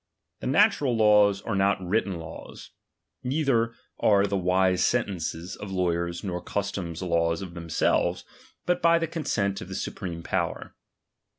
The natural laws are not written laws; neither are the wise sentences of lawyers nor custom laws of themselves, but by the consent of the supreme power.